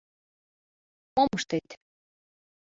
— Мом ыштет...